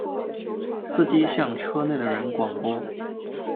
司机向车内的人广播